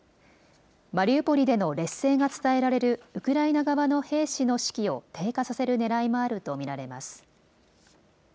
マリウポリでの劣勢が伝えられるウクライナ側の兵士の士気を低下させるねらいもあると見られます。